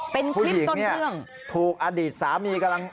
เป็นคลิปต้นเรื่องผู้หญิงเนี่ยถูกอดีตสามีกำลัง